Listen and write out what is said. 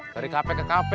dari kape ke kape kang bro